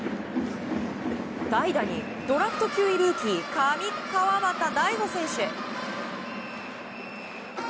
代打にドラフト９位ルーキー上川畑大悟選手。